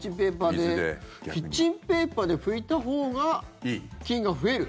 キッチンペーパーで拭いたほうが菌が増える。